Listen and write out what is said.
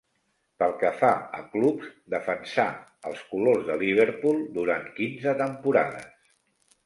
Pel que fa a clubs, defensà els colors de Liverpool durant quinze temporades.